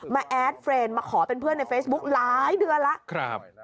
แอดเฟรนด์มาขอเป็นเพื่อนในเฟซบุ๊กหลายเดือนแล้ว